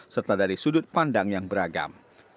setelah dari sudut pandang yang beragam